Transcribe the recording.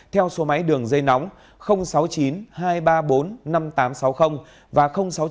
theo số máy đường dây nóng sáu mươi chín hai trăm ba mươi bốn năm nghìn tám trăm sáu mươi và sáu mươi chín hai trăm ba mươi một một nghìn sáu trăm bảy